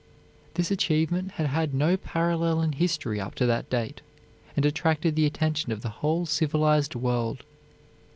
This achievement had had no parallel in history up to that date, and attracted the attention of the whole civilized world.